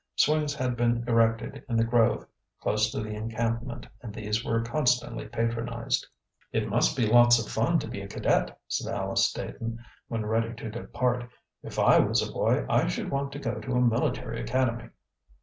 Swings had been erected in the grove close to the encampment and these were constantly patronized. "It must be lots of fun to be a cadet," said Alice Staton, when ready to depart. "If I was a boy I should want to go to a military academy."